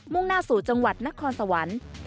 ่งหน้าสู่จังหวัดนครสวรรค์